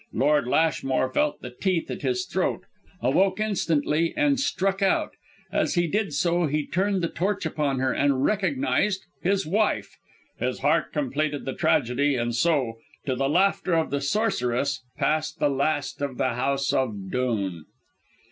Lord Lashmore felt the teeth at his throat, awoke instantly and struck out. As he did so, he turned the torch upon her, and recognised his wife! His heart completed the tragedy, and so to the laughter of the sorceress passed the last of the house of Dhoon."